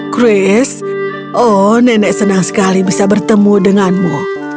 chris oh nenek senang sekali bisa bertemu denganmu